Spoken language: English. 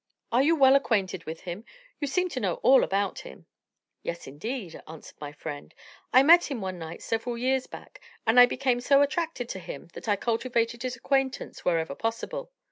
"Are you well acquainted with him? You seem to know all about him." "Yes, indeed," answered my friend. "I met him one night several years back, and I became so attracted to him that I cultivated his acquaintance wherever possible."